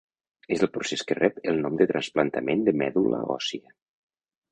És el procés que rep el nom de trasplantament de medul·la òssia.